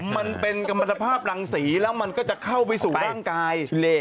มันเป็นกรรมภาพรังสีแล้วมันก็จะเข้าไปสู่ร่างกาย